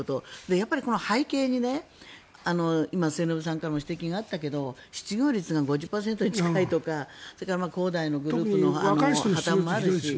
やはりこの背景に今、末延さんからも指摘があったけど失業率が５０％に近いとかそれから恒大のグループの破たんもあるし。